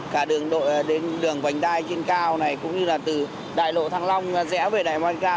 cả đường đội đến đường vành đai trên cao này cũng như là từ đại lộ thăng long dẽ về đại môn cao